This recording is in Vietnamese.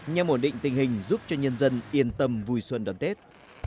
nhằm ổn định tình hình giúp cho nhân dân yên tâm vui xuân đón tết